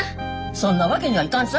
そんなわけにはいかんさ。